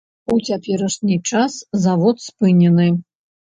У цяперашні час завод спынены.